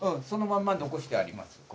そのまんま残してあります。